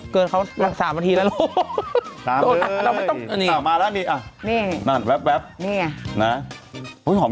เกินเขามักสามารถทีแล้วลูก